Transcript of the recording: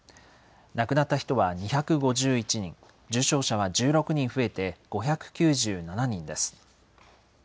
亡くなった人は２５１人、重症者は１６人増えて５９７人です。